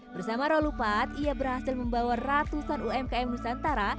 bersama rolupat ia berhasil membawa ratusan umkm nusantara